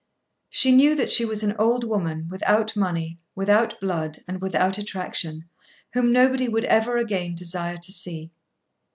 She knew that she was an old woman, without money, without blood, and without attraction, whom nobody would ever again desire to see.